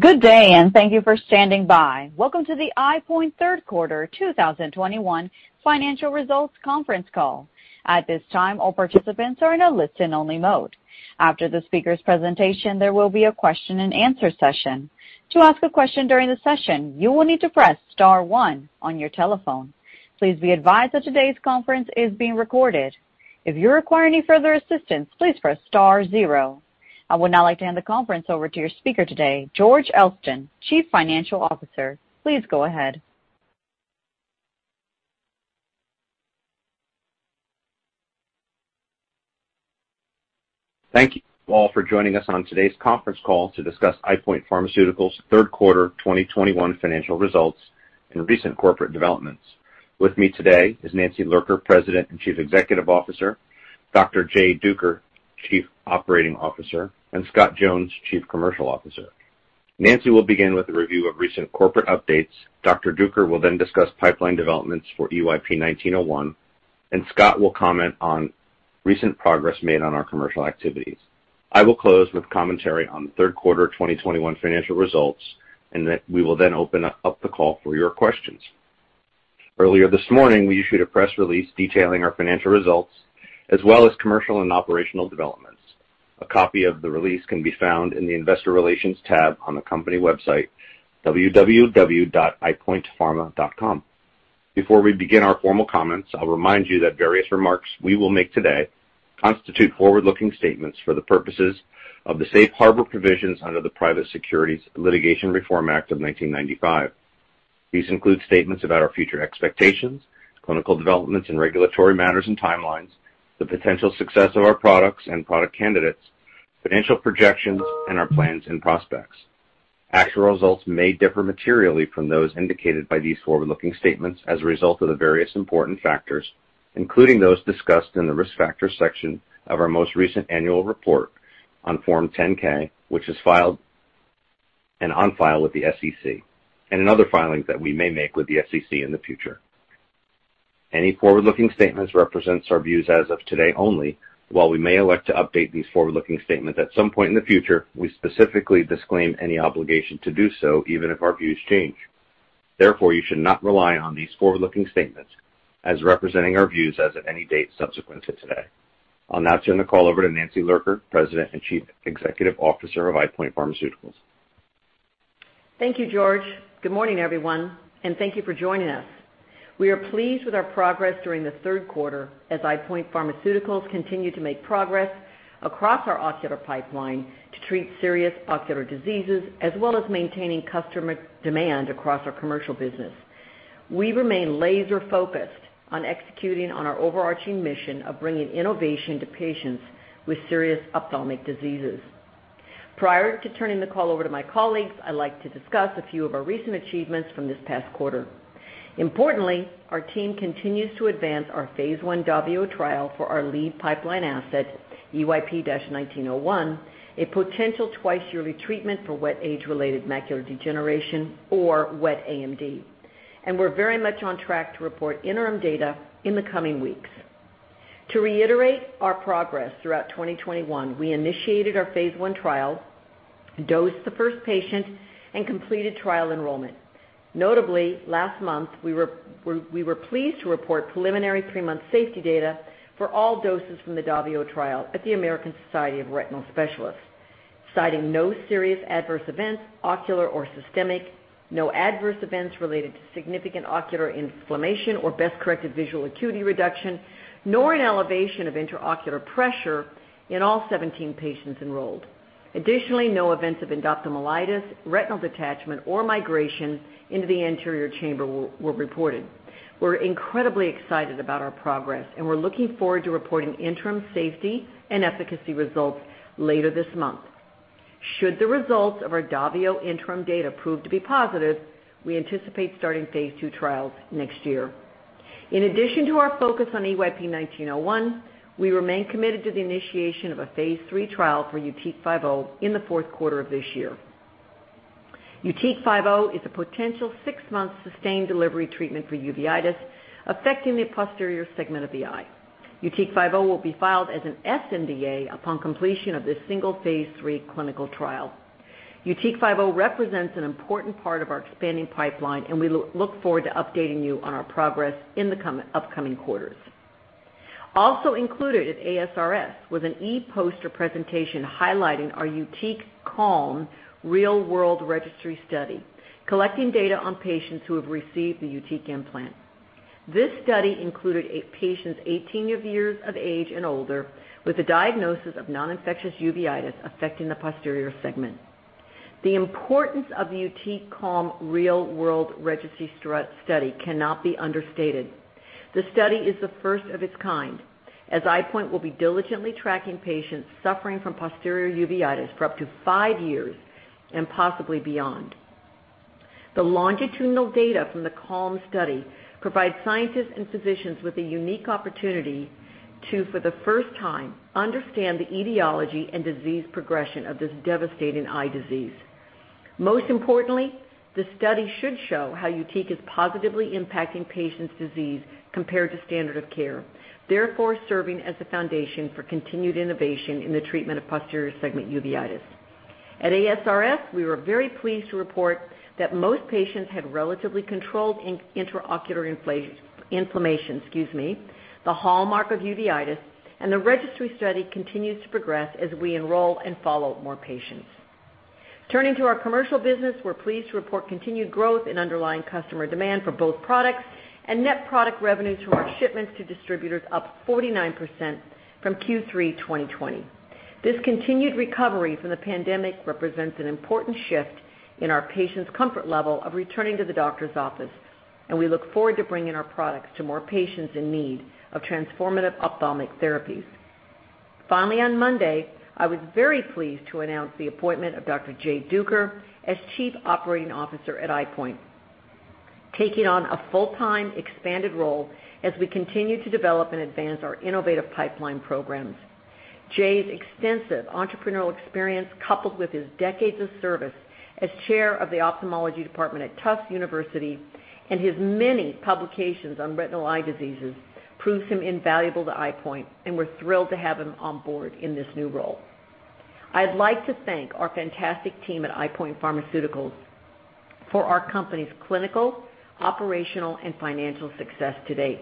Good day, and thank you for standing by. Welcome to the EyePoint third quarter 2021 financial results conference call. At this time, all participants are in a listen-only mode. After the speaker's presentation, there will be a question-and-answer session. To ask a question during the session, you will need to press star one on your telephone. Please be advised that today's conference is being recorded. If you require any further assistance, please press star zero. I would now like to hand the conference over to your speaker today, George Elston, Chief Financial Officer. Please go ahead. Thank you all for joining us on today's conference call to discuss EyePoint Pharmaceuticals' third-quarter 2021 financial results and recent corporate developments. With me today is Nancy Lurker, President and Chief Executive Officer, Dr. Jay Duker, Chief Operating Officer, and Scott Jones, Chief Commercial Officer. Nancy will begin with a review of recent corporate updates. Dr. Duker will then discuss pipeline developments for EYP-1901, and Scott will comment on recent progress made on our commercial activities. I will close with commentary on the third-quarter 2021 financial results, and that we will then open up the call for your questions. Earlier this morning, we issued a press release detailing our financial results as well as commercial and operational developments. A copy of the release can be found in the Investor Relations tab on the company website, eyepointpharma.com. Before we begin our formal comments, I'll remind you that various remarks we will make today constitute forward-looking statements for the purposes of the safe harbor provisions under the Private Securities Litigation Reform Act of 1995. These include statements about our future expectations, clinical developments in regulatory matters and timelines, the potential success of our products and product candidates, financial projections, and our plans and prospects. Actual results may differ materially from those indicated by these forward-looking statements as a result of the various important factors, including those discussed in the Risk Factors section of our most recent annual report on Form 10-K, which is filed and on file with the SEC, and in other filings that we may make with the SEC in the future. Any forward-looking statements represents our views as of today only. While we may elect to update these forward-looking statements at some point in the future, we specifically disclaim any obligation to do so, even if our views change. Therefore, you should not rely on these forward-looking statements as representing our views as of any date subsequent to today. I'll now turn the call over to Nancy Lurker, President and Chief Executive Officer of EyePoint Pharmaceuticals. Thank you, George. Good morning, everyone, and thank you for joining us. We are pleased with our progress during the third quarter as EyePoint Pharmaceuticals continued to make progress across our ocular pipeline to treat serious ocular diseases, as well as maintaining customer demand across our commercial business. We remain laser-focused on executing on our overarching mission of bringing innovation to patients with serious ophthalmic diseases. Prior to turning the call over to my colleagues, I'd like to discuss a few of our recent achievements from this past quarter. Importantly, our team continues to advance our phase I DAVIO trial for our lead pipeline asset, EYP-1901, a potential twice-yearly treatment for wet age-related macular degeneration or wet AMD. We're very much on track to report interim data in the coming weeks. To reiterate our progress throughout 2021, we initiated our phase I trial, dosed the first patient, and completed trial enrollment. Notably, last month, we were pleased to report preliminary three-month safety data for all doses from the DAVIO trial at the American Society of Retina Specialists, citing no serious adverse events, ocular or systemic, no adverse events related to significant ocular inflammation or best-corrected visual acuity reduction, nor an elevation of intraocular pressure in all 17 patients enrolled. Additionally, no events of endophthalmitis, retinal detachment, or migration into the anterior chamber were reported. We're incredibly excited about our progress, and we're looking forward to reporting interim safety and efficacy results later this month. Should the results of our DAVIO interim data prove to be positive, we anticipate starting phase II trials next year. In addition to our focus on EYP-1901, we remain committed to the initiation of a phase III trial for YUTIQ 50 in the fourth quarter of this year. YUTIQ 50 is a potential six-month sustained delivery treatment for uveitis affecting the posterior segment of the eye. YUTIQ 50 will be filed as an sNDA upon completion of this single phase III clinical trial. YUTIQ 50 represents an important part of our expanding pipeline, and we look forward to updating you on our progress in the upcoming quarters. Also included at ASRS was an e-poster presentation highlighting our YUTIQ CALM real-world registry study, collecting data on patients who have received the YUTIQ implant. This study included patients 18 years of age and older with a diagnosis of non-infectious uveitis affecting the posterior segment. The importance of the YUTIQ CALM real-world registry study cannot be understated. The study is the first of its kind, as EyePoint will be diligently tracking patients suffering from posterior uveitis for up to five years and possibly beyond. The longitudinal data from the CALM study provides scientists and physicians with a unique opportunity to, for the first time, understand the etiology and disease progression of this devastating eye disease. Most importantly, the study should show how YUTIQ is positively impacting patients' disease compared to standard of care, therefore serving as the foundation for continued innovation in the treatment of posterior segment uveitis. At ASRS, we were very pleased to report that most patients had relatively controlled intraocular inflammation, excuse me, the hallmark of uveitis, and the registry study continues to progress as we enroll and follow more patients. Turning to our commercial business, we're pleased to report continued growth in underlying customer demand for both products and net product revenue through our shipments to distributors up 49% from Q3 2020. This continued recovery from the pandemic represents an important shift in our patients' comfort level of returning to the doctor's office, and we look forward to bringing our products to more patients in need of transformative ophthalmic therapies. Finally, on Monday, I was very pleased to announce the appointment of Dr. Jay Duker as Chief Operating Officer at EyePoint, taking on a full-time expanded role as we continue to develop and advance our innovative pipeline programs. Jay's extensive entrepreneurial experience, coupled with his decades of service as chair of the ophthalmology department at Tufts University and his many publications on retinal eye diseases, proves him invaluable to EyePoint, and we're thrilled to have him on board in this new role. I'd like to thank our fantastic team at EyePoint Pharmaceuticals for our company's clinical, operational and financial success to date.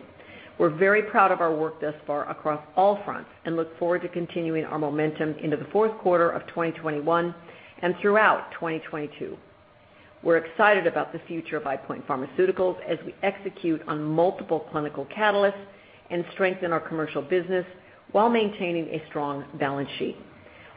We're very proud of our work thus far across all fronts and look forward to continuing our momentum into the fourth quarter of 2021 and throughout 2022. We're excited about the future of EyePoint Pharmaceuticals as we execute on multiple clinical catalysts and strengthen our commercial business while maintaining a strong balance sheet.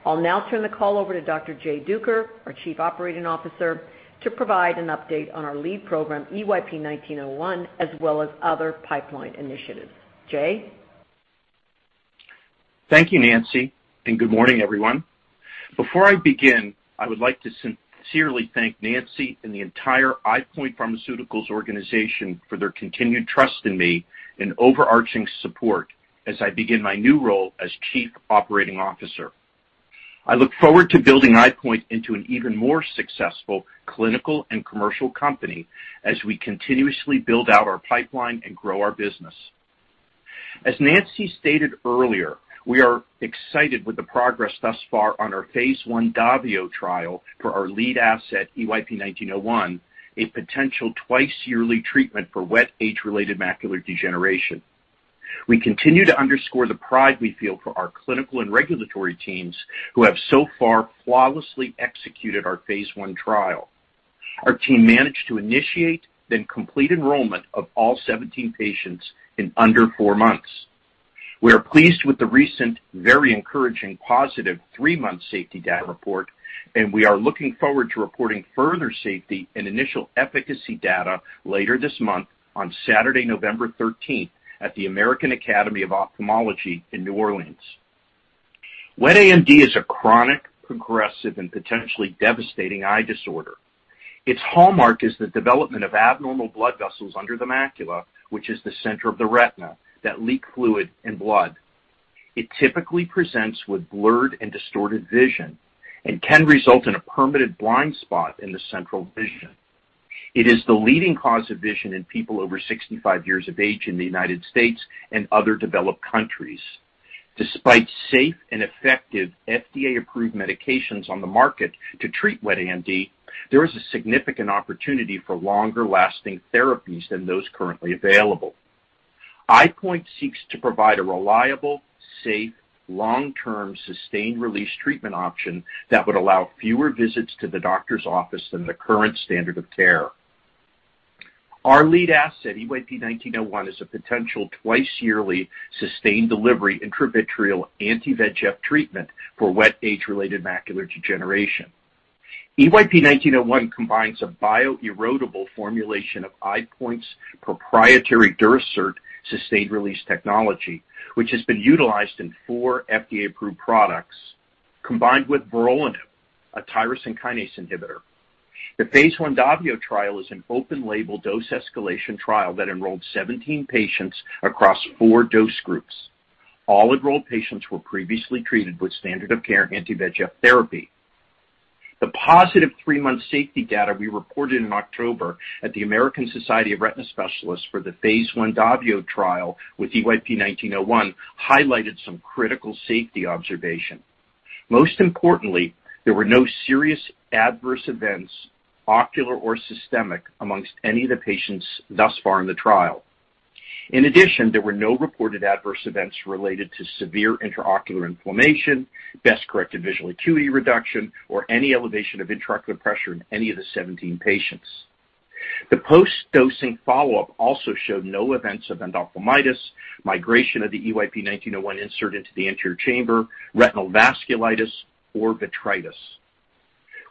I'll now turn the call over to Dr. Jay Duker, our Chief Operating Officer, to provide an update on our lead program, EYP-1901, as well as other pipeline initiatives. Jay? Thank you, Nancy, and good morning, everyone. Before I begin, I would like to sincerely thank Nancy and the entire EyePoint Pharmaceuticals organization for their continued trust in me and overarching support as I begin my new role as Chief Operating Officer. I look forward to building EyePoint into an even more successful clinical and commercial company as we continuously build out our pipeline and grow our business. As Nancy stated earlier, we are excited with the progress thus far on our phase I DAVIO trial for our lead asset, EYP-1901, a potential twice-yearly treatment for wet age-related macular degeneration. We continue to underscore the pride we feel for our clinical and regulatory teams who have so far flawlessly executed our phase I trial. Our team managed to initiate then complete enrollment of all 17 patients in under 4 months. We are pleased with the recent very encouraging positive 3-month safety data report, and we are looking forward to reporting further safety and initial efficacy data later this month on Saturday, November 13th, at the American Academy of Ophthalmology in New Orleans. Wet AMD is a chronic, progressive and potentially devastating eye disorder. Its hallmark is the development of abnormal blood vessels under the macula, which is the center of the retina that leak fluid and blood. It typically presents with blurred and distorted vision and can result in a permanent blind spot in the central vision. It is the leading cause of vision loss in people over 65 years of age in the United States and other developed countries. Despite safe and effective FDA-approved medications on the market to treat wet AMD, there is a significant opportunity for longer-lasting therapies than those currently available. EyePoint seeks to provide a reliable, safe, long-term, sustained release treatment option that would allow fewer visits to the doctor's office than the current standard of care. Our lead asset, EYP-1901, is a potential twice-yearly sustained delivery intravitreal anti-VEGF treatment for wet age-related macular degeneration. EYP-1901 combines a bio-erodible formulation of EyePoint's proprietary Durasert sustained release technology, which has been utilized in 4 FDA-approved products, combined with vorolanib, a tyrosine kinase inhibitor. The phase I DAVIO trial is an open label dose escalation trial that enrolled 17 patients across 4 dose groups. All enrolled patients were previously treated with standard of care anti-VEGF therapy. The positive 3-month safety data we reported in October at the American Society of Retina Specialists for the phase I DAVIO trial with EYP-1901 highlighted some critical safety observation. Most importantly, there were no serious adverse events, ocular or systemic, among any of the patients thus far in the trial. In addition, there were no reported adverse events related to severe intraocular inflammation, best-corrected visual acuity reduction, or any elevation of intraocular pressure in any of the 17 patients. The post-dosing follow-up also showed no events of endophthalmitis, migration of the EYP-1901 insert into the anterior chamber, retinal vasculitis or vitritis.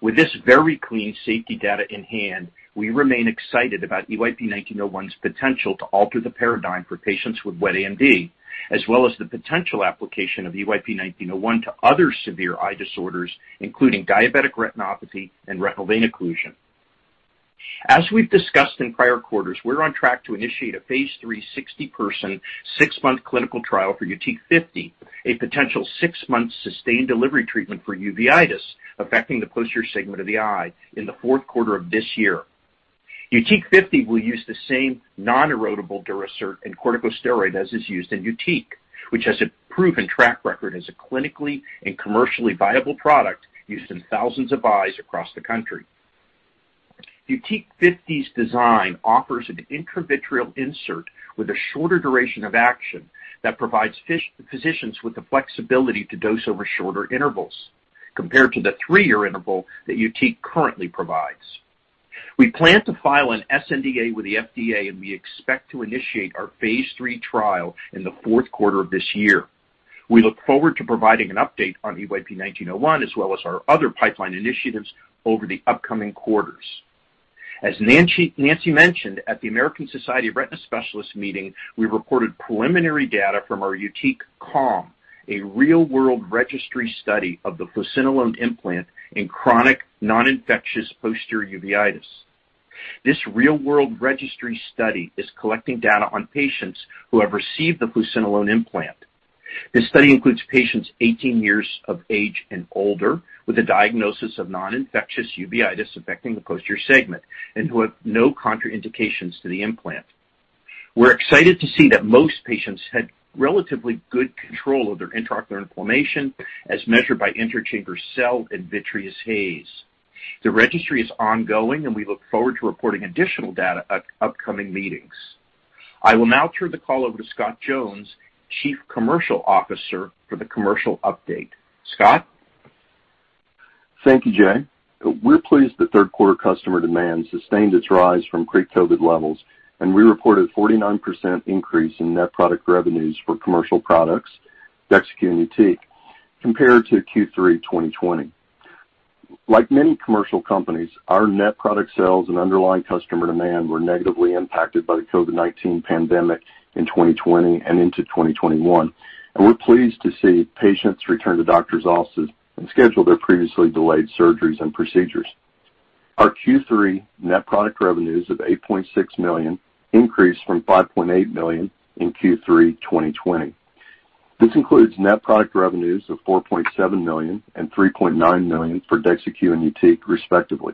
With this very clean safety data in hand, we remain excited about EYP-1901's potential to alter the paradigm for patients with wet AMD, as well as the potential application of EYP-1901 to other severe eye disorders, including diabetic retinopathy and retinal vein occlusion. As we've discussed in prior quarters, we're on track to initiate a phase III 60-person, 6-month clinical trial for YUTIQ 50, a potential 6-month sustained delivery treatment for uveitis affecting the posterior segment of the eye in the fourth quarter of this year. YUTIQ 50 will use the same non-erodible Durasert and corticosteroid as is used in YUTIQ, which has a proven track record as a clinically and commercially viable product used in thousands of eyes across the country. YUTIQ 50's design offers an intravitreal insert with a shorter duration of action that provides physicians with the flexibility to dose over shorter intervals compared to the three-year interval that YUTIQ currently provides. We plan to file an sNDA with the FDA, and we expect to initiate our phase III trial in the fourth quarter of this year. We look forward to providing an update on EYP-1901, as well as our other pipeline initiatives over the upcoming quarters. As Nancy mentioned at the American Society of Retina Specialists meeting, we reported preliminary data from our YUTIQ CALM, a real-world registry study of the fluocinolone implant in chronic non-infectious posterior uveitis. This real-world registry study is collecting data on patients who have received the fluocinolone implant. This study includes patients 18 years of age and older with a diagnosis of non-infectious uveitis affecting the posterior segment and who have no contraindications to the implant. We're excited to see that most patients had relatively good control of their intraocular inflammation as measured by intraocular cell and vitreous haze. The registry is ongoing, and we look forward to reporting additional data at upcoming meetings. I will now turn the call over to Scott Jones, Chief Commercial Officer, for the commercial update. Scott? Thank you, Jay. We're pleased that third quarter customer demand sustained its rise from pre-COVID levels, and we reported 49% increase in net product revenues for commercial products, DEXYCU and YUTIQ, compared to Q3 2020. Like many commercial companies, our net product sales and underlying customer demand were negatively impacted by the COVID-19 pandemic in 2020 and into 2021, and we're pleased to see patients return to doctor's offices and schedule their previously delayed surgeries and procedures. Our Q3 net product revenues of $8.6 million increased from $5.8 million in Q3 2020. This includes net product revenues of $4.7 million and $3.9 million for DEXYCU and YUTIQ, respectively.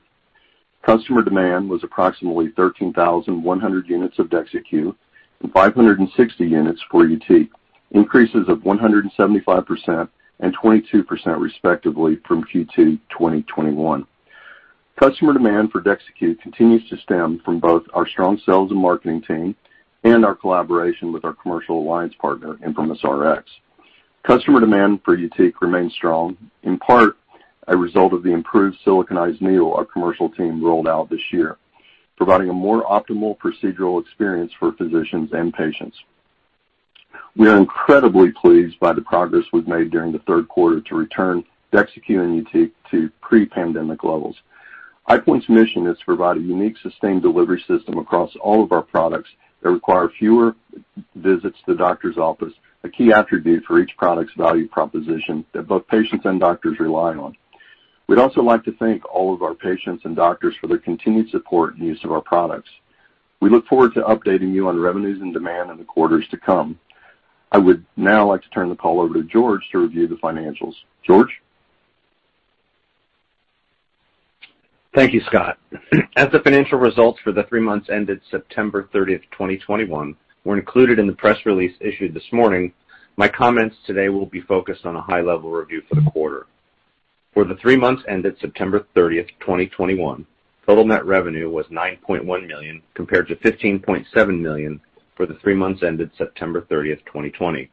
Customer demand was approximately 13,100 units of DEXYCU and 560 units for YUTIQ, increases of 175% and 22% respectively from Q2 2021. Customer demand for DEXYCU continues to stem from both our strong sales and marketing team and our collaboration with our commercial alliance partner, ImprimisRx. Customer demand for YUTIQ remains strong, in part a result of the improved siliconized needle our commercial team rolled out this year, providing a more optimal procedural experience for physicians and patients. We are incredibly pleased by the progress we've made during the third quarter to return DEXYCU and YUTIQ to pre-pandemic levels. EyePoint's mission is to provide a unique, sustained delivery system across all of our products that require fewer visits to doctor's office, a key attribute for each product's value proposition that both patients and doctors rely on. We'd also like to thank all of our patients and doctors for their continued support and use of our products. We look forward to updating you on revenues and demand in the quarters to come. I would now like to turn the call over to George to review the financials. George? Thank you, Scott. As the financial results for the three months ended September thirtieth, 2021 were included in the press release issued this morning, my comments today will be focused on a high-level review for the quarter. For the three months ended September 30th, 2021, total net revenue was $9.1 million, compared to $15.7 million for the three months ended September 30th, 2020.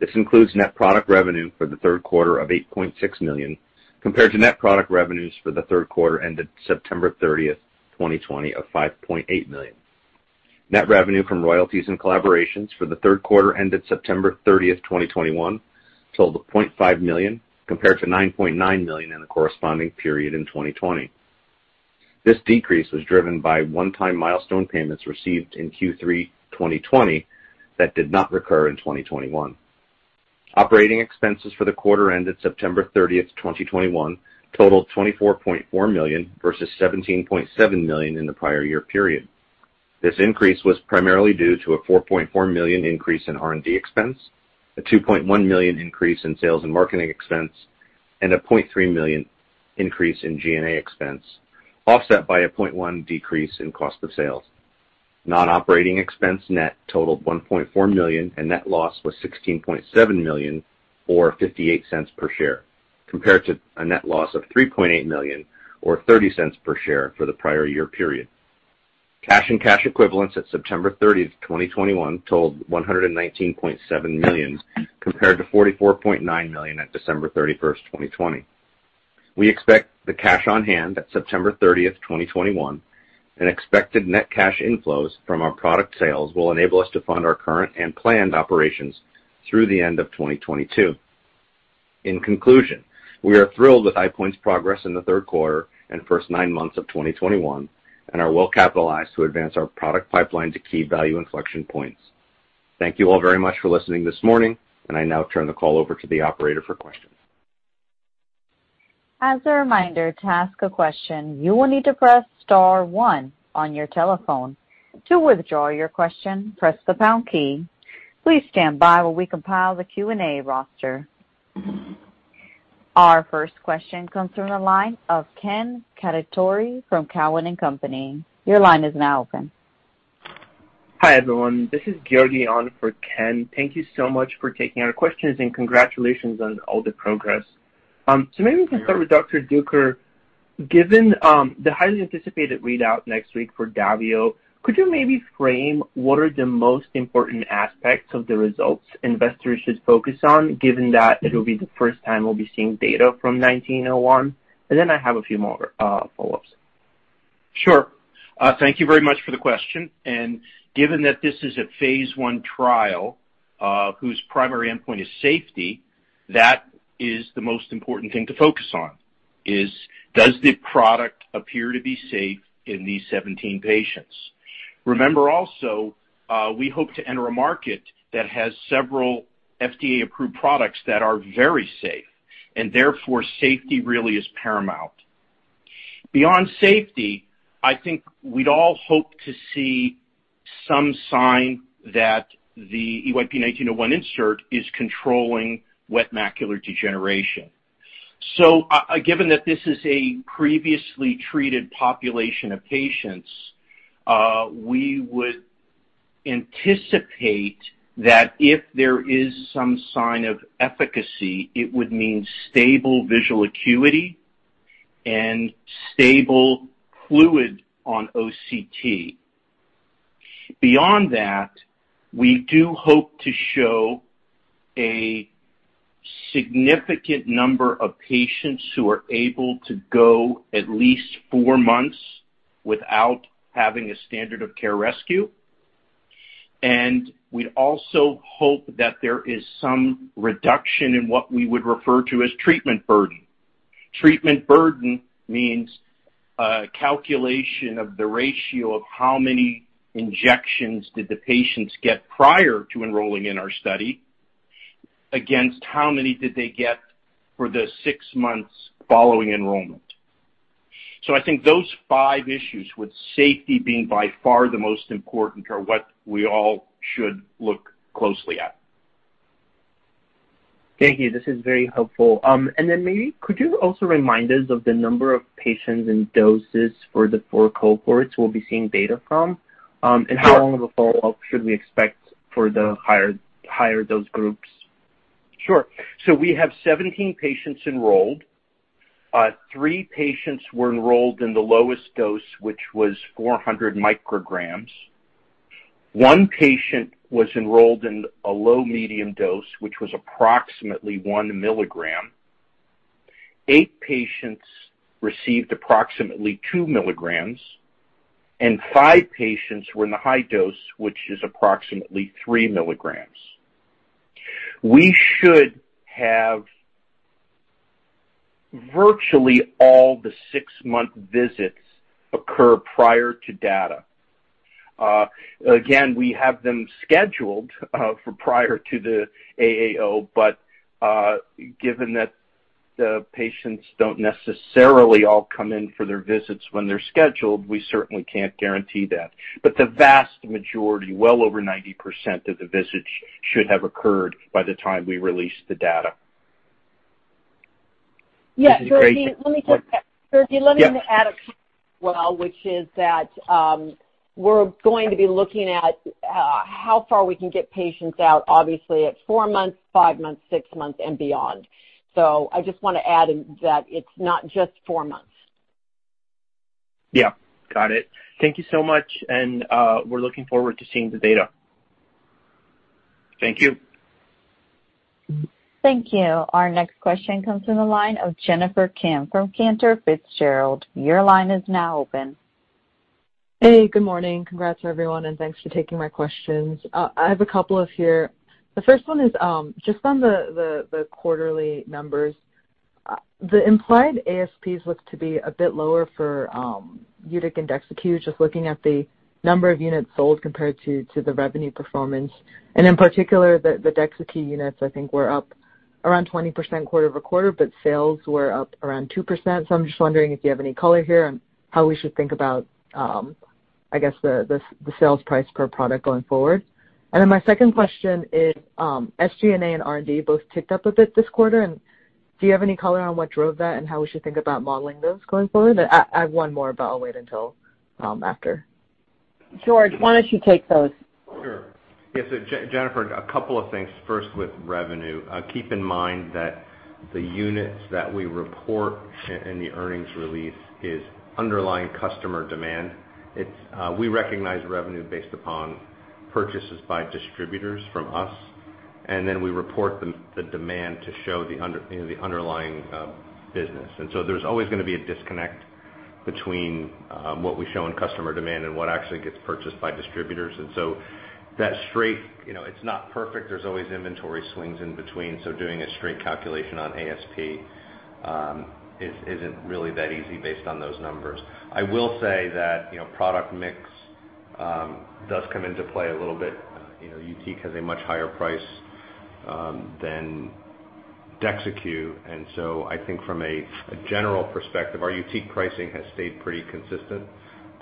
This includes net product revenue for the third quarter of $8.6 million, compared to net product revenues for the third quarter ended September 30th, 2020 of $5.8 million. Net revenue from royalties and collaborations for the third quarter ended September 30th, 2021 totaled $0.5 million, compared to $9.9 million in the corresponding period in 2020. This decrease was driven by one-time milestone payments received in Q3 2020 that did not recur in 2021. Operating expenses for the quarter ended September 30th, 2021 totaled $24.4 million versus $17.7 million in the prior year period. This increase was primarily due to a $4.4 million increase in R&D expense, a $2.1 million increase in sales and marketing expense, and a $0.3 million increase in G&A expense, offset by a $0.1 million decrease in cost of sales. Non-operating expense net totaled $1.4 million, and net loss was $16.7 million, or $0.58 per share, compared to a net loss of $3.8 million or $0.30 per share for the prior year period. Cash and cash equivalents at September 30th, 2021 totaled $119.7 million, compared to $44.9 million at December 31st, 2020. We expect the cash on hand at September 30th, 2021, and expected net cash inflows from our product sales will enable us to fund our current and planned operations through the end of 2022. In conclusion, we are thrilled with EyePoint's progress in the third quarter and first nine months of 2021 and are well-capitalized to advance our product pipeline to key value inflection points. Thank you all very much for listening this morning, and I now turn the call over to the operator for questions. As a reminder, to ask a question, you will need to press star one on your telephone. To withdraw your question, press the pound key. Please stand by while we compile the Q&A roster. Our first question comes from the line of Ken Cacciatore from Cowen and Company. Your line is now open. Hi, everyone. This is Georgi on for Ken. Thank you so much for taking our questions, and congratulations on all the progress. Maybe we can start with Dr. Duker. Given the highly anticipated readout next week for DAVIO, could you maybe frame what are the most important aspects of the results investors should focus on given that it will be the first time we'll be seeing data from EYP-1901? Then I have a few more follow-ups. Sure. Thank you very much for the question. Given that this is a phase I trial, whose primary endpoint is safety, that is the most important thing to focus on is does the product appear to be safe in these 17 patients? Remember also, we hope to enter a market that has several FDA-approved products that are very safe, and therefore safety really is paramount. Beyond safety, I think we'd all hope to see some sign that the EYP-1901 insert is controlling wet macular degeneration. Given that this is a previously treated population of patients, we would anticipate that if there is some sign of efficacy, it would mean stable visual acuity and stable fluid on OCT. Beyond that, we do hope to show a significant number of patients who are able to go at least four months without having a standard of care rescue. We'd also hope that there is some reduction in what we would refer to as treatment burden. Treatment burden means a calculation of the ratio of how many injections did the patients get prior to enrolling in our study against how many did they get for the six months following enrollment. I think those five issues with safety being by far the most important are what we all should look closely at. Thank you. This is very helpful. Maybe could you also remind us of the number of patients and doses for the four cohorts we'll be seeing data from? How long of a follow-up should we expect for the higher dose groups? Sure. We have 17 patients enrolled. Three patients were enrolled in the lowest dose, which was 400 micrograms. One patient was enrolled in a low, medium dose, which was approximately 1 mg. Eight patients received approximately 2 mg, and five patients were in the high dose, which is approximately 3 mg. We should have virtually all the 6-month visits occur prior to data. Again, we have them scheduled for prior to the AAO, but given that the patients don't necessarily all come in for their visits when they're scheduled, we certainly can't guarantee that. But the vast majority, well over 90% of the visits should have occurred by the time we release the data. Yeah. Georgi, let me just- What? Georgi, let me just add a piece as well, which is that we're going to be looking at how far we can get patients out, obviously at 4 months, 5 months, 6 months and beyond. I just want to add in that it's not just 4 months. Yeah. Got it. Thank you so much, and we're looking forward to seeing the data. Thank you. Thank you. Our next question comes from the line of Jennifer Kim from Cantor Fitzgerald. Your line is now open. Hey, good morning. Congrats, everyone, and thanks for taking my questions. I have a couple here. The first one is just on the quarterly numbers. The implied ASPs look to be a bit lower for YUTIQ and DEXYCU, just looking at the number of units sold compared to the revenue performance. In particular, the DEXYCU units I think were up around 20% quarter-over-quarter, but sales were up around 2%. I'm just wondering if you have any color here on how we should think about the sales price per product going forward. My second question is SG&A and R&D both ticked up a bit this quarter. Do you have any color on what drove that and how we should think about modeling those going forward? I have one more, but I'll wait until after. George, why don't you take those? Sure. Yes, Jennifer, a couple of things. First with revenue. Keep in mind that the units that we report in the earnings release is underlying customer demand. We recognize revenue based upon purchases by distributors from us, and then we report the demand to show the underlying, you know, business. There's always gonna be a disconnect between what we show in customer demand and what actually gets purchased by distributors. You know, it's not perfect. There's always inventory swings in between. Doing a straight calculation on ASP isn't really that easy based on those numbers. I will say that, you know, product mix does come into play a little bit. You know, YUTIQ has a much higher price than DEXYCU. I think from a general perspective, our YUTIQ pricing has stayed pretty consistent.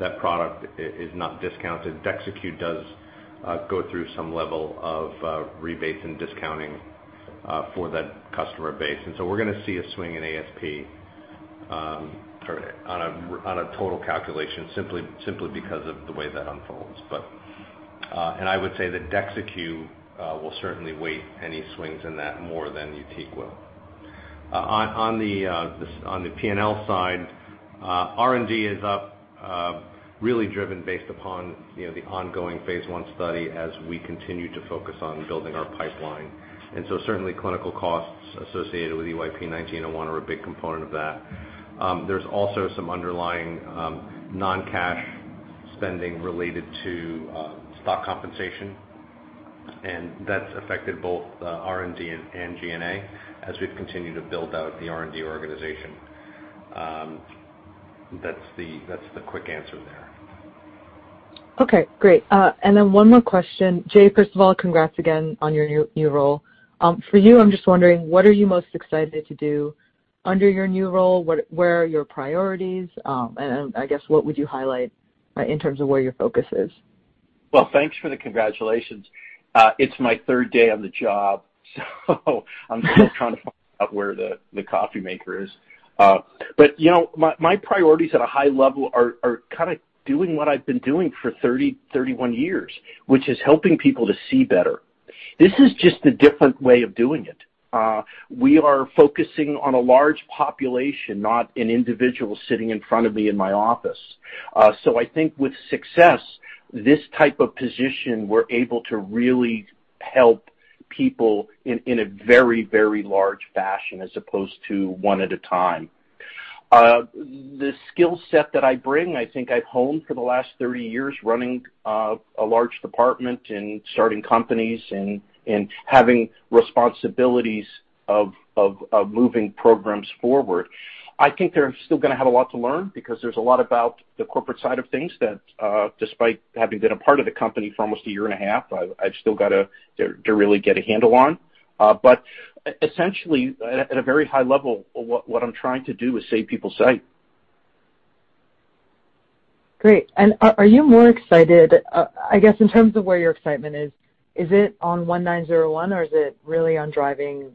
That product is not discounted. DEXYCU does go through some level of rebates and discounting for that customer base. We're gonna see a swing in ASP or on a total calculation simply because of the way that unfolds. I would say that DEXYCU will certainly weigh any swings in that more than YUTIQ will. On the P&L side, R&D is up really driven based upon the ongoing phase I study as we continue to focus on building our pipeline. Certainly clinical costs associated with EYP-1901 are a big component of that. There's also some underlying non-cash spending related to stock compensation, and that's affected both R&D and G&A as we've continued to build out the R&D organization. That's the quick answer there. Okay, great. One more question. Jay, first of all, congrats again on your new role. For you, I'm just wondering, what are you most excited to do under your new role? Where are your priorities? I guess, what would you highlight in terms of where your focus is? Well, thanks for the congratulations. It's my third day on the job, so I'm still trying to find out where the coffee maker is. But you know, my priorities at a high level are kinda doing what I've been doing for 31 years, which is helping people to see better. This is just a different way of doing it. We are focusing on a large population, not an individual sitting in front of me in my office. So I think with success, this type of position, we're able to really help people in a very large fashion as opposed to one at a time. The skill set that I bring, I think I've honed for the last 30 years running a large department and starting companies and having responsibilities of moving programs forward. I think they're still gonna have a lot to learn because there's a lot about the corporate side of things that, despite having been a part of the company for almost a year and a half, I've still got to really get a handle on. Essentially at a very high level, what I'm trying to do is save people's sight. Great. Are you more excited? I guess in terms of where your excitement is it on EYP-1901, or is it really on driving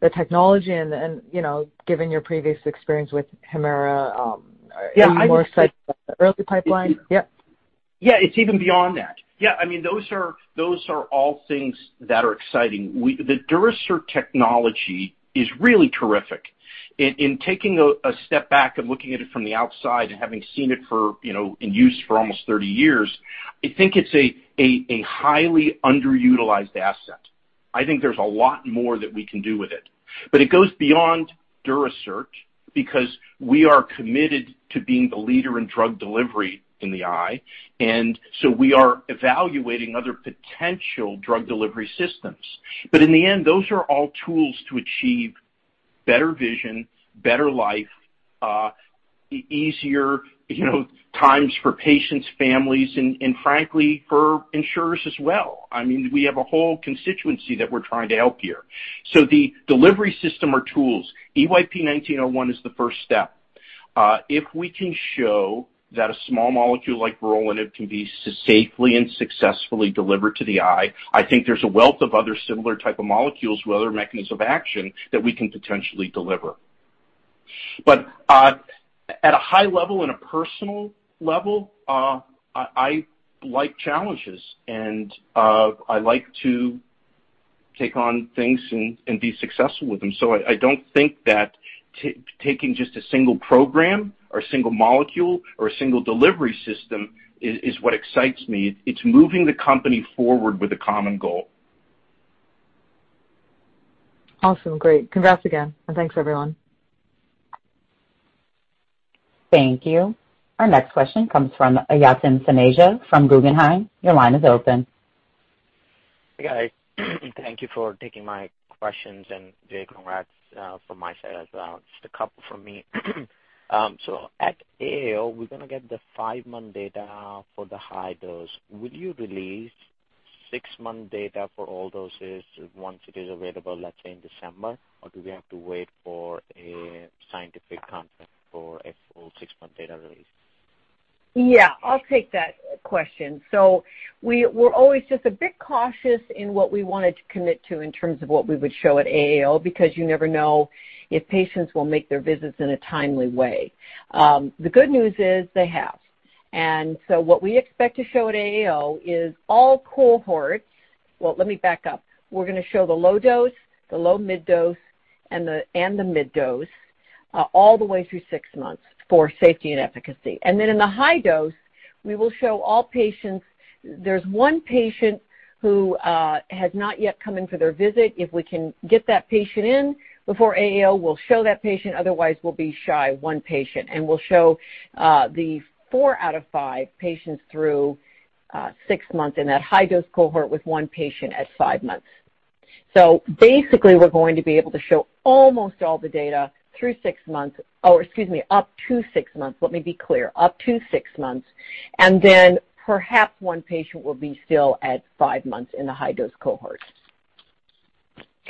the technology and then, you know, given your previous experience with Hemera, are you more excited about the early pipeline? Yep. Yeah, it's even beyond that. Yeah. I mean, those are all things that are exciting. The Durasert technology is really terrific. In taking a step back and looking at it from the outside and having seen it for, you know, in use for almost 30 years, I think it's a highly underutilized asset. I think there's a lot more that we can do with it. It goes beyond Durasert because we are committed to being the leader in drug delivery in the eye, and so we are evaluating other potential drug delivery systems. In the end, those are all tools to achieve better vision, better life, easier, you know, times for patients, families, and frankly, for insurers as well. I mean, we have a whole constituency that we're trying to help here. The delivery system are tools. EYP-1901 is the first step. If we can show that a small molecule like vorolanib can be safely and successfully delivered to the eye, I think there's a wealth of other similar type of molecules with other mechanisms of action that we can potentially deliver. At a high level and a personal level, I like challenges and I like to take on things and be successful with them. I don't think that taking just a single program or a single molecule or a single delivery system is what excites me. It's moving the company forward with a common goal. Awesome. Great. Congrats again, and thanks everyone. Thank you. Our next question comes from Yatin Suneja from Guggenheim. Your line is open. Hey, guys. Thank you for taking my questions. Jay, congrats from my side as well. Just a couple from me. At AAO, we're gonna get the five-month data for the high dose. Will you release six-month data for all doses once it is available, let's say in December? Or do we have to wait for a scientific conference for a full six-month data release? Yeah, I'll take that question. We're always just a bit cautious in what we wanted to commit to in terms of what we would show at AAO because you never know if patients will make their visits in a timely way. The good news is they have. What we expect to show at AAO is all cohorts. Well, let me back up. We're gonna show the low dose, the low mid dose, and the mid dose all the way through six months for safety and efficacy. Then in the high dose, we will show all patients. There's one patient who has not yet come in for their visit. If we can get that patient in before AAO, we'll show that patient. Otherwise, we'll be shy 1 patient, and we'll show the 4 out of 5 patients through 6 months in that high-dose cohort with 1 patient at 5 months. Basically we're going to be able to show almost all the data through 6 months. Excuse me, up to 6 months. Let me be clear. Up to 6 months, and then perhaps 1 patient will be still at 5 months in the high-dose cohort.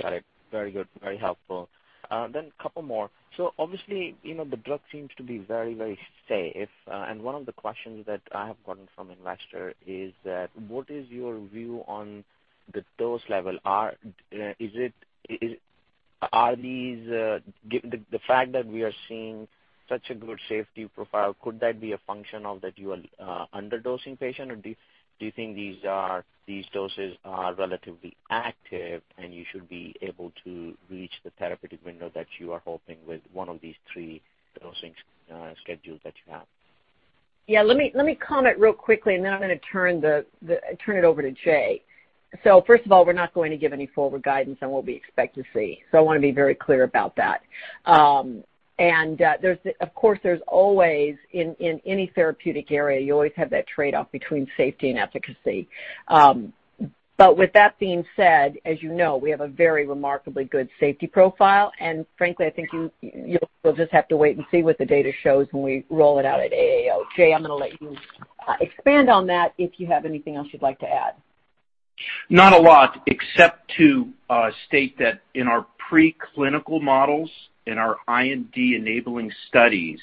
Got it. Very good. Very helpful. A couple more. Obviously, you know, the drug seems to be very, very safe. One of the questions that I have gotten from investor is what is your view on the dose level? The fact that we are seeing such a good safety profile, could that be a function of you under-dosing patient? Or do you think these doses are relatively active and you should be able to reach the therapeutic window that you are hoping with one of these three dosing schedules that you have? Yeah, let me comment real quickly and then I'm gonna turn it over to Jay. First of all, we're not going to give any forward guidance on what we expect to see. I wanna be very clear about that. There's, of course, always in any therapeutic area, you always have that trade-off between safety and efficacy. With that being said, as you know, we have a very remarkably good safety profile. Frankly, I think we'll just have to wait and see what the data shows when we roll it out at AAO. Jay, I'm gonna let you expand on that if you have anything else you'd like to add. Not a lot, except to state that in our preclinical models, in our IND enabling studies,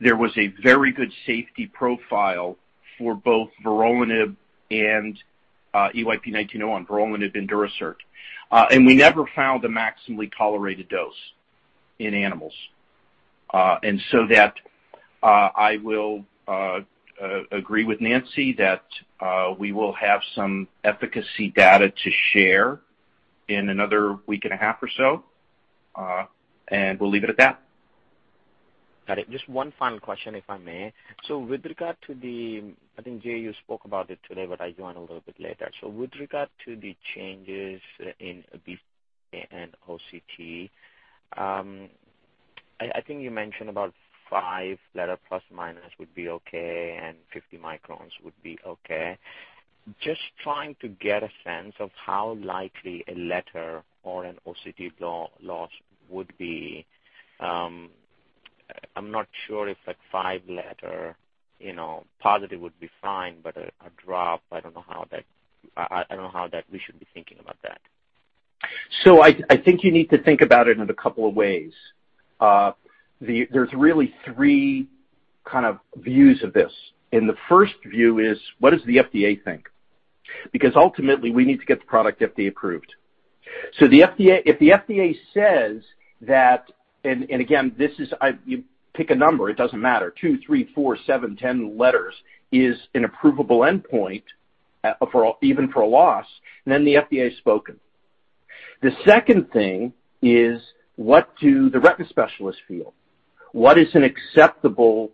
there was a very good safety profile for both vorolanib and EYP-1901, vorolanib Durasert. We never found a maximally tolerated dose in animals. I will agree with Nancy that we will have some efficacy data to share in another week and a half or so, and we'll leave it at that. Got it. Just one final question, if I may. With regard to the, I think, Jay, you spoke about it today, but I joined a little bit later. With regard to the changes in a BCVA and OCT, I think you mentioned about 5-letter ± would be okay, and 50 microns would be okay. Just trying to get a sense of how likely a letter or an OCT loss would be. I'm not sure if like 5-letter, you know, positive would be fine, but a drop, I don't know how that we should be thinking about that. I think you need to think about it in a couple of ways. There's really three kind of views of this, and the first view is what does the FDA think? Because ultimately, we need to get the product FDA approved. The FDA if the FDA says that and again, this is you pick a number, it doesn't matter, 2, 3, 4, 7, 10 letters is an approvable endpoint for even for a loss, then the FDA has spoken. The second thing is what do the retina specialists feel? What is an acceptable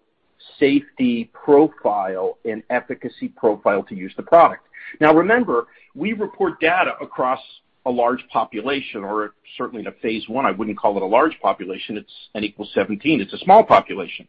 safety profile and efficacy profile to use the product? Now remember, we report data across a large population or certainly in a phase I, I wouldn't call it a large population. It's n equals 17. It's a small population.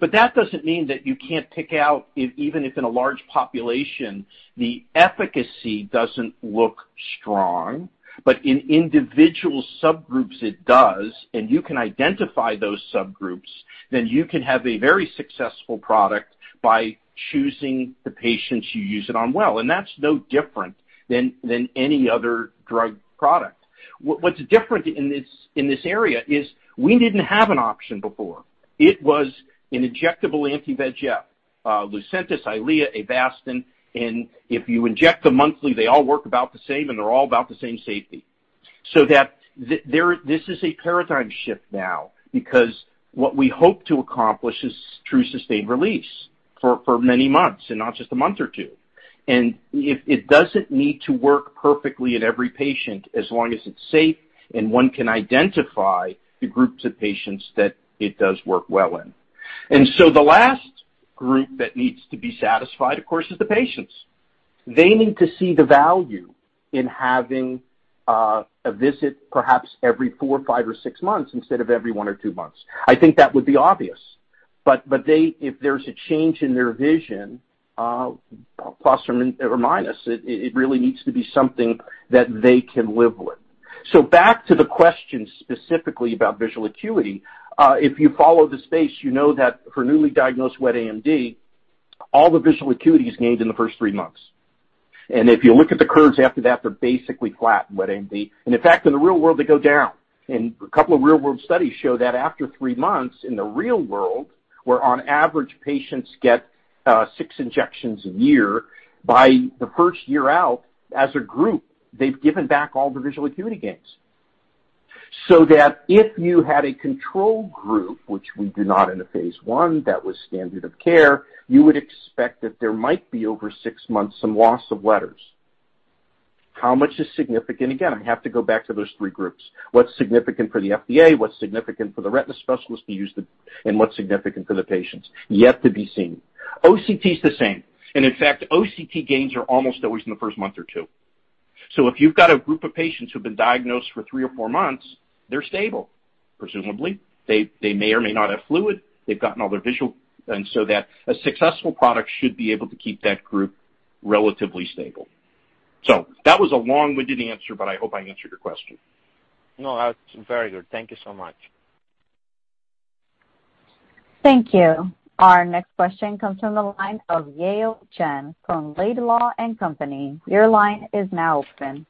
That doesn't mean that you can't pick out if even if in a large population the efficacy doesn't look strong, but in individual subgroups it does, and you can identify those subgroups, then you can have a very successful product by choosing the patients you use it on well, and that's no different than any other drug product. What's different in this area is we didn't have an option before. It was an injectable anti-VEGF, Lucentis, EYLEA, Avastin, and if you inject them monthly, they all work about the same and they're all about the same safety. This is a paradigm shift now because what we hope to accomplish is true sustained release for many months and not just a month or two. It doesn't need to work perfectly in every patient as long as it's safe and one can identify the groups of patients that it does work well in. The last group that needs to be satisfied, of course, is the patients. They need to see the value in having a visit perhaps every four, five, or six months instead of every one or two months. I think that would be obvious. But if there's a change in their vision, plus or minus, it really needs to be something that they can live with. Back to the question specifically about visual acuity. If you follow the space, you know that for newly diagnosed wet AMD, all the visual acuity is gained in the first three months. If you look at the curves after that, they're basically flat in wet AMD. In fact, in the real world, they go down. A couple of real world studies show that after three months in the real world, where on average patients get six injections a year, by the first year out as a group, they've given back all the visual acuity gains. That if you had a control group, which we do not in a phase I that was standard of care, you would expect that there might be over six months some loss of letters. How much is significant? Again, I have to go back to those three groups. What's significant for the FDA, what's significant for the retina specialist to use the and what's significant for the patients yet to be seen. OCT is the same. In fact, OCT gains are almost always in the first month or 2. If you've got a group of patients who've been diagnosed for 3 or 4 months, they're stable. Presumably. They may or may not have fluid. They've gotten all their visual and so that a successful product should be able to keep that group relatively stable. That was a long-winded answer, but I hope I answered your question. No, that's very good. Thank you so much. Thank you. Our next question comes from the line of Yale Jen from Laidlaw & Company. Your line is now open.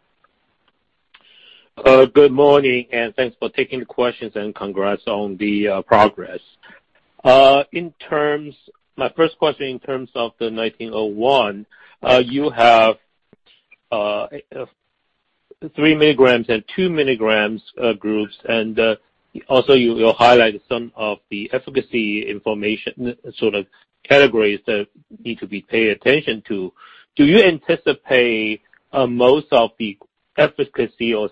Good morning, and thanks for taking the questions, and congrats on the progress. My first question in terms of the EYP-1901, you have 3 mg and 2 mg groups, and also you highlighted some of the efficacy information sort of categories that need to be paid attention to. Do you anticipate most of the efficacy or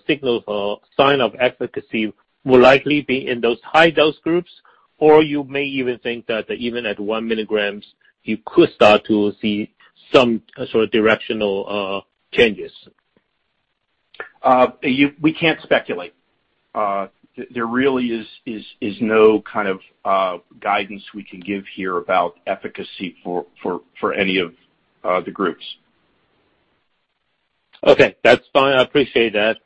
sign of efficacy will likely be in those high dose groups? Or you may even think that even at 1 mg, you could start to see some sort of directional changes? We can't speculate. There really is no kind of guidance we can give here about efficacy for any of the groups. Okay. That's fine. I appreciate that.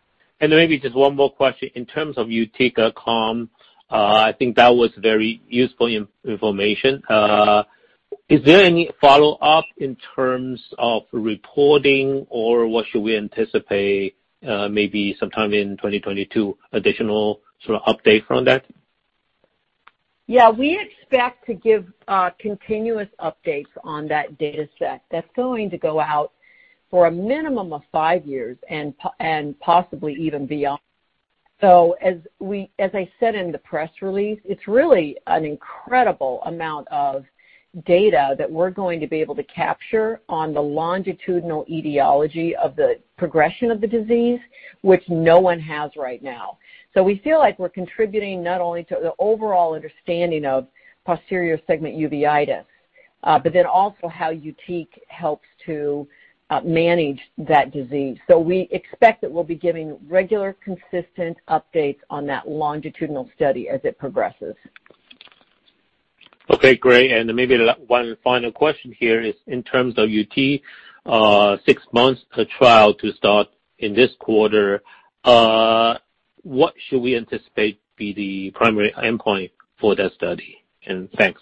Maybe just one more question. In terms of YUTIQ CALM, I think that was very useful information. Is there any follow-up in terms of reporting or what should we anticipate, maybe sometime in 2022 additional sort of update on that? Yeah, we expect to give continuous updates on that dataset. That's going to go out for a minimum of five years and possibly even beyond. As I said in the press release, it's really an incredible amount of data that we're going to be able to capture on the longitudinal etiology of the progression of the disease, which no one has right now. We feel like we're contributing not only to the overall understanding of posterior segment uveitis, but then also how YUTIQ helps to manage that disease. We expect that we'll be giving regular, consistent updates on that longitudinal study as it progresses. Okay, great. Maybe one final question here is in terms of YUTIQ, a six-month trial to start in this quarter, what should we anticipate be the primary endpoint for that study? Thanks.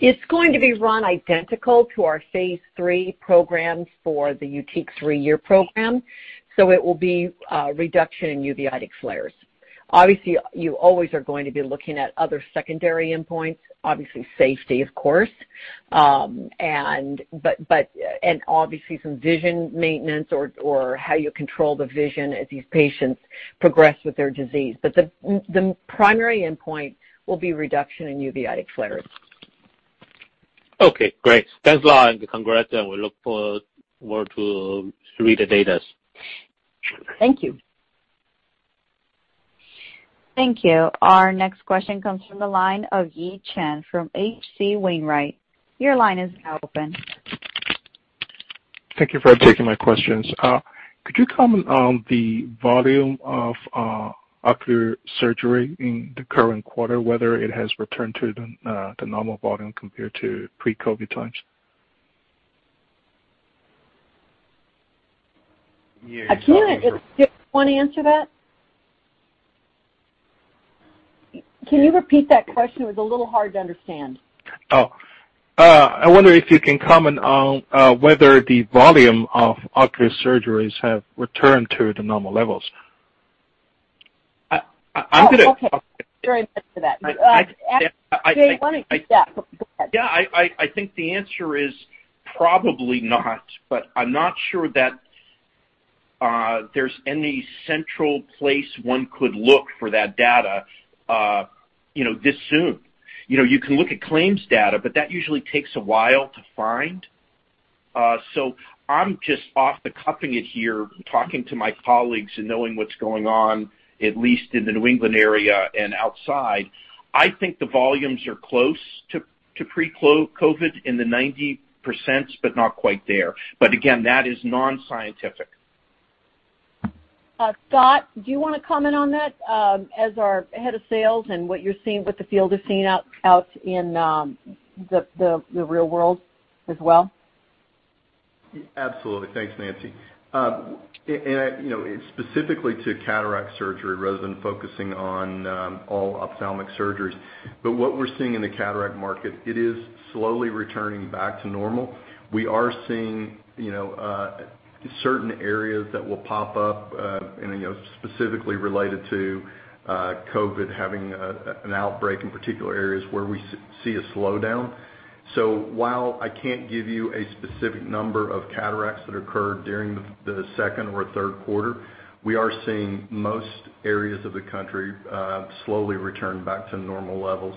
It's going to be run identical to our phase III programs for the YUTIQ three-year program, so it will be reduction in uveitic flares. Obviously, you always are going to be looking at other secondary endpoints, obviously safety of course. Obviously some vision maintenance or how you control the vision as these patients progress with their disease. The primary endpoint will be reduction in uveitic flares. Okay, great. Thanks a lot, and congrats, and we look forward to read the data. Thank you. Thank you. Our next question comes from the line of Yi Chen from H.C. Wainwright. Your line is now open. Thank you for taking my questions. Could you comment on the volume of ocular surgery in the current quarter, whether it has returned to the normal volume compared to pre-COVID times? Yeah. Can I just want to answer that? Can you repeat that question? It was a little hard to understand. I wonder if you can comment on whether the volume of ocular surgeries have returned to the normal levels? I'm gonna- Oh, okay. You're interested in that. Actually, Jay, why don't you take that? Go ahead. Yeah. I think the answer is probably not, but I'm not sure that there's any central place one could look for that data, you know, this soon. You know, you can look at claims data, but that usually takes a while to find. I'm just off the cuff here, talking to my colleagues and knowing what's going on, at least in the New England area and outside. I think the volumes are close to pre-COVID-19 in the 90%, but not quite there. Again, that is non-scientific. Scott, do you wanna comment on that as our head of sales and what you're seeing, what the field is seeing out in the real world as well? Absolutely. Thanks, Nancy. I, you know, specifically to cataract surgery rather than focusing on all ophthalmic surgeries. What we're seeing in the cataract market, it is slowly returning back to normal. We are seeing, you know, certain areas that will pop up, and then, you know, specifically related to COVID having an outbreak in particular areas where we see a slowdown. While I can't give you a specific number of cataracts that occurred during the second or third quarter, we are seeing most areas of the country slowly return back to normal levels.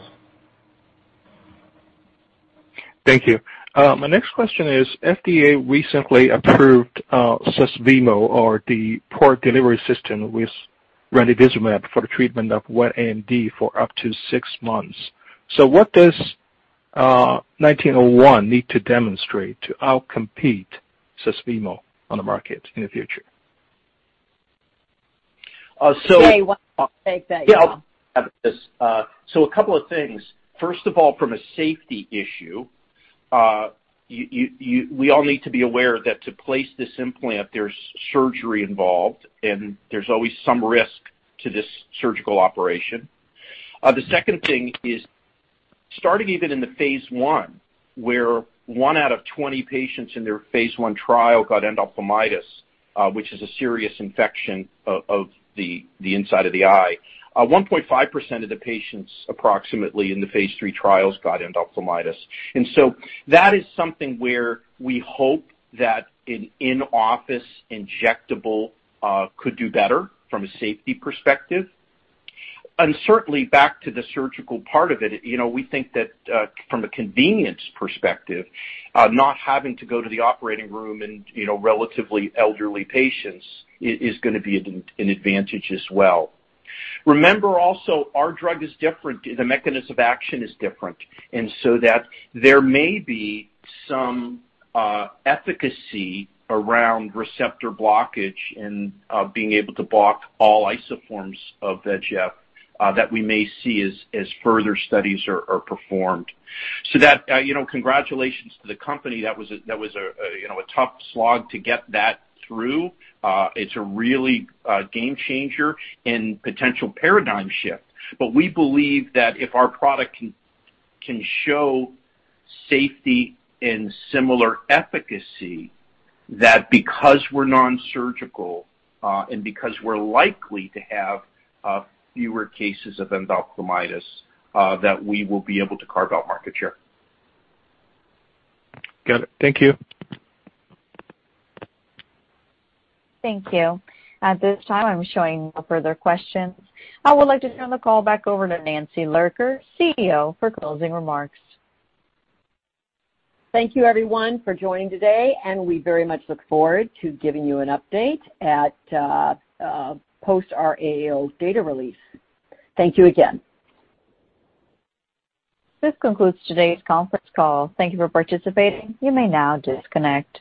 Thank you. My next question is, FDA recently approved Susvimo or the port delivery system with ranibizumab for the treatment of wet AMD for up to six months. What does EYP-1901 need to demonstrate to outcompete Susvimo on the market in the future. Uh, so- Jay, why don't you take that, yeah. Yeah, I'll have this. A couple of things. First of all, from a safety issue, we all need to be aware that to place this implant, there's surgery involved, and there's always some risk to this surgical operation. The second thing is starting even in the phase I, where 1 out of 20 patients in their phase I trial got endophthalmitis, which is a serious infection of the inside of the eye. 1.5% of the patients approximately in the phase III trials got endophthalmitis. That is something where we hope that an in-office injectable could do better from a safety perspective. Certainly, back to the surgical part of it, you know, we think that, from a convenience perspective, not having to go to the operating room and, you know, relatively elderly patients is gonna be an advantage as well. Remember also our drug is different. The mechanism action is different, and so that there may be some efficacy around receptor blockage and being able to block all isoforms of VEGF that we may see as further studies are performed. That, you know, congratulations to the company that was a tough slog to get that through. It's a really game changer and potential paradigm shift. We believe that if our product can show safety and similar efficacy, that because we're non-surgical, and because we're likely to have fewer cases of endophthalmitis, that we will be able to carve out market share. Got it. Thank you. Thank you. At this time, I'm showing no further questions. I would like to turn the call back over to Nancy Lurker, CEO, for closing remarks. Thank you everyone for joining today, and we very much look forward to giving you an update at post our AAO data release. Thank you again. This concludes today's conference call. Thank you for participating. You may now disconnect.